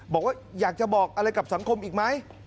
บอกว่าอยากจะบอกอะไรกับสังคมอีกไหม